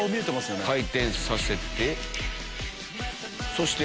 そして。